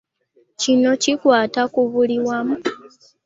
Kino kikwata ku buli wamu.